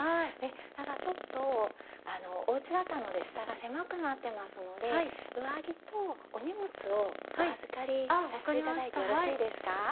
ただちょっとお家だったので下が狭くなってますので上着とお荷物をお預かりしてよろしいですか。